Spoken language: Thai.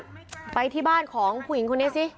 ไม่ใกล้เหรอครับไปที่บ้านผู้หญิงคนนี้ซิ